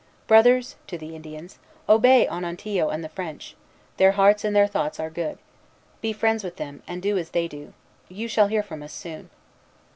"Brothers," to the Indians, "obey Onontio and the French. Their hearts and their thoughts are good. Be friends with them, and do as they do. You shall hear from us soon."